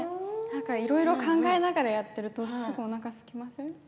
いろいろ考えながらやっているとすぐにおなかがすきません？